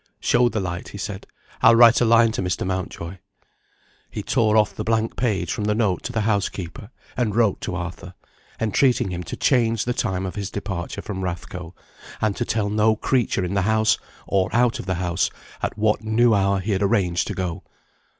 "Show the light," he said; "I'll write a line to Mr. Mountjoy." He tore off the blank page from the note to the housekeeper, and wrote to Arthur, entreating him to change the time of his departure from Rathco, and to tell no creature in the house, or out of the house, at what new hour he had arranged to go.